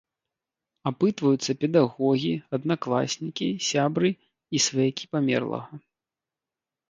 Апытваюцца педагогі, аднакласнікі, сябры і сваякі памерлага.